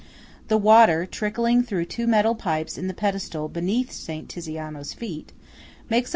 The water, trickling through two metal pipes in the pedestal beneath Saint Tiziano's feet, makes a TITIAN'S BIRTHPLACE.